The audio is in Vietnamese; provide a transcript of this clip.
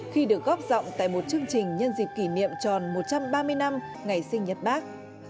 khi được tham dự chương trình này